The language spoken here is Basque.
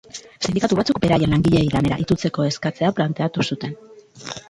Sindikatu batzuk beraien langileei lanera itzultzeko eskatzea planteatu zuten.